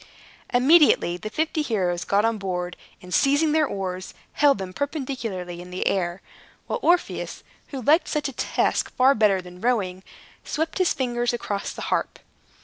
Immediately the fifty heroes got on board, and seizing their oars, held them perpendicularly in the air, while Orpheus (who liked such a task far better than rowing) swept his fingers across the harp.